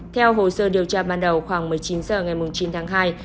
theo hồ sơ điều tra ban đầu khoảng một mươi chín h ngày chín tháng hai